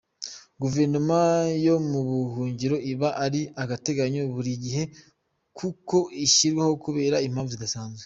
Guverinoma yo mu buhungiro iba ari agateganyo buri gihe, kuko ishyirwaho kubera impamvu zidasanzwe.